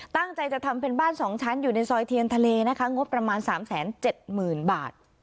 ตั้งใจจะทำเป็นบ้าน๒ชั้นอยู่ในซอยเทียนทะเลนะคะงบประมาณ๓๗๐๐๐บาท